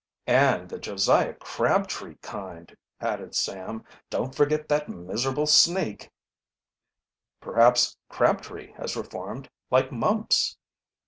"And the Josiah Crabtree kind," added Sam. "Don't forget that miserable sneak." "Perhaps Crabtree has reformed, like Mumps."